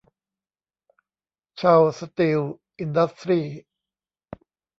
เชาว์ สตีล อินดัสทรี้